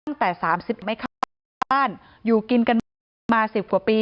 ตั้งแต่๓๐ปีไม่เข้าบ้านอยู่กินกันมา๑๐กว่าปี